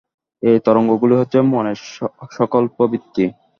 ঐ তরঙ্গগুলোই হচ্ছে মনের সঙ্কল্পবৃত্তি।